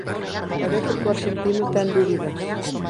Parece que o arxentino ten dúbidas.